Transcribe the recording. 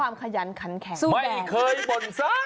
ไม่เคยบ่นซากคำ